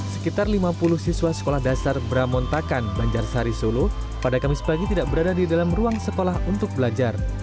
sekitar lima puluh siswa sekolah dasar bramontakan banjarsari solo pada kamis pagi tidak berada di dalam ruang sekolah untuk belajar